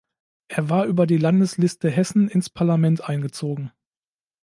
Er war über die Landesliste Hessen ins Parlament eingezogen.